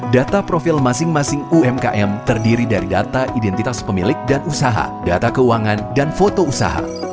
data profil masing masing umkm terdiri dari data identitas pemilik dan usaha data keuangan dan foto usaha